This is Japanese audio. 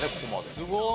すごい！